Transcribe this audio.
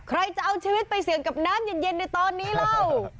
ใครจะเอาชีวิตไปเสี่ยงกับน้ำเย็นในตอนนี้เล่า